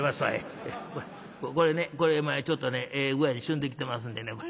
これねこれちょっとねええ具合にしゅんできてますんでね。